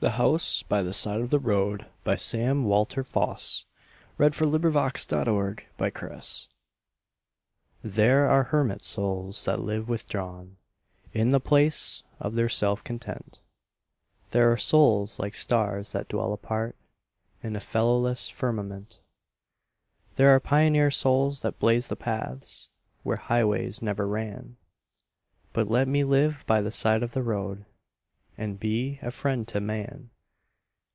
G H . I J . K L . M N . O P . Q R . S T . U V . W X . Y Z The House by the Side of the Road THERE are hermit souls that live withdrawn In the place of their self content; There are souls like stars, that dwell apart, In a fellowless firmament; There are pioneer souls that blaze the paths Where highways never ran But let me live by the side of the road And be a friend to man.